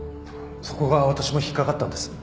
そこが私も引っ掛かったんです。